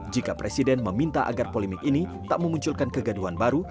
jika presiden meminta agar polemik ini tak memunculkan kegaduhan baru